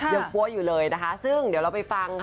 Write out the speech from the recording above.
ปั้วอยู่เลยนะคะซึ่งเดี๋ยวเราไปฟัง